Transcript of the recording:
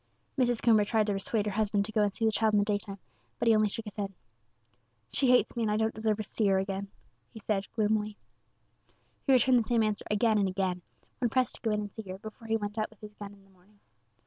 Mrs. Coomber tried to persuade her husband to go and see the child in the daytime; but he only shook his head. "She hates me, and I don't deserve to see her agin," he said, gloomily. He returned the same answer again and again, when pressed to go in and see her before he went out with his gun in the morning.